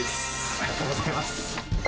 ありがとうございます。